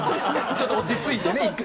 ちょっと落ち着いて。